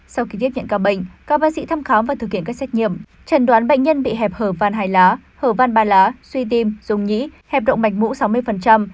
sau khi tiếp nhận ca bệnh các bác sĩ thăm khám và thực hiện các xét nghiệm chẩn đoán bệnh nhân bị hẹp hở văn hai lá hở văn ba lá suy tim dùng nhĩ hẹp động mạch mũ sáu mươi